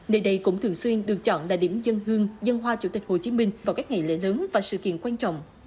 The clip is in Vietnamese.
nơi đây cũng thường xuyên được chọn là điểm dân hương dân hoa chủ tịch hồ chí minh vào các ngày lễ lớn và sự kiện quan trọng